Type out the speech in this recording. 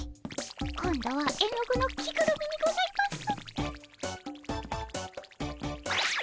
今度は絵の具の着ぐるみにございます。